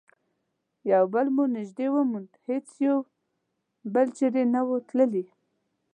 یو بل مو نژدې وموند، هیڅ یو بل چیري نه وو تللي.